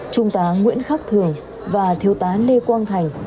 trung tá nguyễn khắc thường và thiếu tá lê quang thành